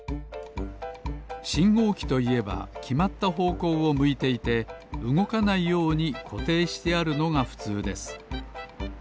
しんごうきといえばきまったほうこうをむいていてうごかないようにこていしてあるのがふつうです。